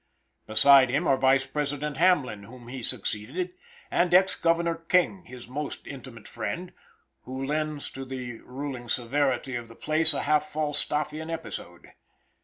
Beside him are Vice President Hamlin, whom he succeeded, and ex Governor King, his most intimate friend, who lends to the ruling severity of the place a half Falstaffian episode.